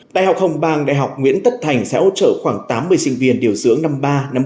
đại học hồng bang đại học nguyễn tất thành sẽ hỗ trợ khoảng tám mươi sinh viên điều dưỡng năm ba năm